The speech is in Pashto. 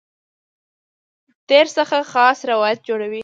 تېر څخه خاص روایت جوړوي.